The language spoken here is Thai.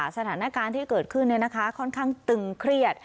สถานการณ์ที่เกิดขึ้นค่อนข้างตึงเครียด